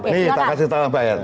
nih kita kasih tambahan